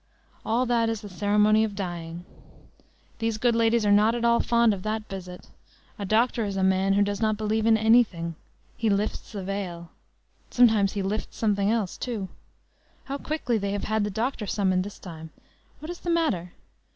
All that is the ceremony of dying. These good ladies are not at all fond of that visit. A doctor is a man who does not believe in anything. He lifts the veil. Sometimes he lifts something else too. How quickly they have had the doctor summoned this time! What is the matter?